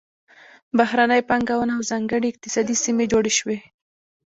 بهرنۍ پانګونه او ځانګړې اقتصادي سیمې جوړې شوې.